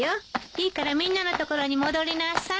いいからみんなの所に戻りなさい。